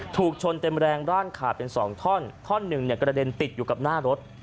ถูกชนเต็มแรงร่างขาดเป็นสองท่อนท่อนหนึ่งเนี่ยกระเด็นติดอยู่กับหน้ารถ